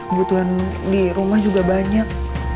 kebutuhan di rumah juga banyak